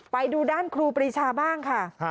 ไปดูด้านครูปรีชาบ้างค่ะ